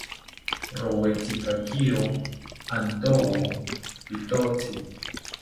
Rowetzikakiro antowo pitotzi